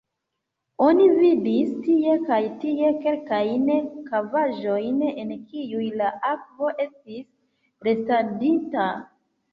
Oni vidis tie kaj tie kelkajn kavaĵojn, en kiuj la akvo estis restadinta.